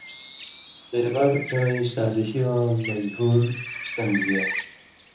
خېبر اِوَیں سازشی واں مژھُول سن٘دژیان٘س۔